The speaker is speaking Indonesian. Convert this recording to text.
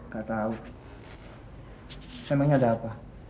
gak tau emangnya ada apa